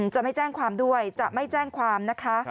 จะไม่แจ้งความด้วยจะไม่แจ้งความนะคะ